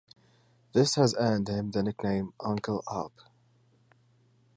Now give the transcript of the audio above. This has earned him the nickname 'Uncle Alp'.